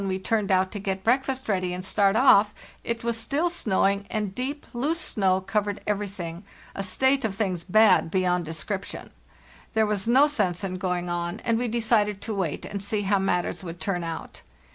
BY SEEDGE AND KAVAK 267 turned out to get breakfast ready and start off, it was still snowing, and deep, loose snow covered everything— a state of things bad beyond description. There was no sense in going on, and we decided to wait and see how matters would turn out.